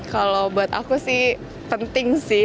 kalau buat aku sih penting sih